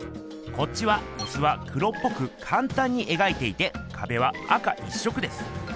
こっちはいすは黒っぽくかんたんに描いていてかべは赤一色です。